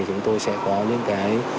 chúng tôi sẽ có những cái